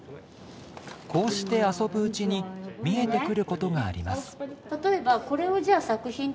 こうして遊ぶうちに見えてくることがあります。